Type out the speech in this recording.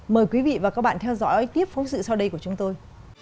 mời quý vị và các bạn theo dõi tiếp phóng sự sau đây của chúng tôi